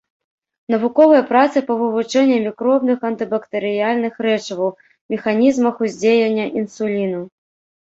Навуковыя працы па вывучэнні мікробных антыбактэрыяльных рэчываў, механізмах уздзеяння інсуліну.